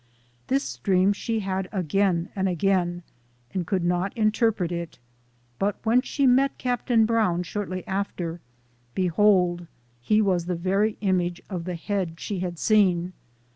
This dream she had again and again, and could not interpret it ; but when she met Captain Brown, shortly after, behold, he was the very image of the head she had seen.